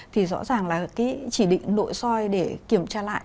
thì rõ ràng là cái chỉ định nội soi để kiểm tra lại